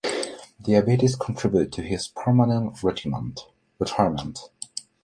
Diabetes contributed to his permanent retirement.